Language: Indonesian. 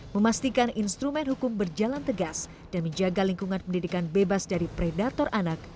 memastikan instrumen hukum berjalan tegas dan menjaga lingkungan pendidikan bebas dari predator anak